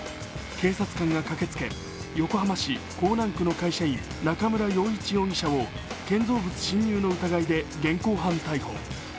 警察官が駆けつけ、横浜市港南区の会社員中村陽一容疑者を建造物侵入の疑いで現行犯逮捕。